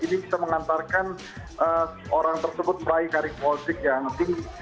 ini bisa mengantarkan orang tersebut meraih karir politik yang tinggi